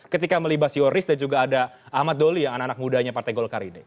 ketika melibas yoris dan juga ada ahmad doli yang anak anak mudanya partai golkar ini